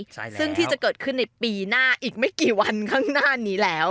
ซึ่งที่จะเกิดขึ้นในปีหน้าอีกไม่กี่วันข้างหน้านี้แล้ว